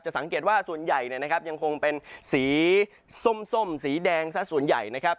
สังเกตว่าส่วนใหญ่เนี่ยนะครับยังคงเป็นสีส้มสีแดงซะส่วนใหญ่นะครับ